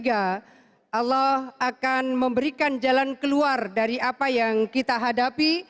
allah akan memberikan jalan keluar dari apa yang kita hadapi